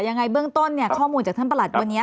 ยังไงเบื้องต้นเนี่ยข้อมูลจากท่านประหลัดวันนี้